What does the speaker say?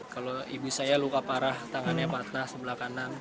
kalau ibu saya luka parah tangannya patah sebelah kanan